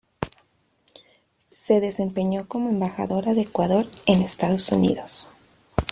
Se desempeñó como embajadora de Ecuador en Estados Unidos.